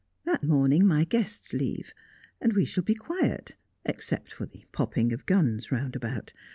"That morning my guests leave, and we shall be quiet except for the popping of guns round about.